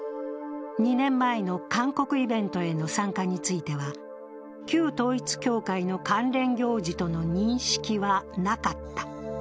２年前の韓国イベントへの参加については旧統一教会の関連行事との認識はなかった。